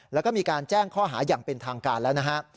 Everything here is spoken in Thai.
แล้วก็มีการแจ้งข้อหาอย่างเป็นทางการแล้วนะฮะ